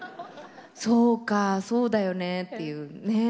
そうかそうだよねっていうねえ。